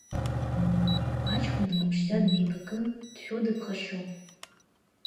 Аҷкәын дҟаԥшьӡа днеибакын, дшәо-дыԥхашьо…